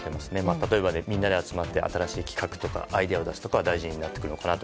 例えばみんなで集まって新しい企画とかアイデアを出すとかは大事になってくるのかなと。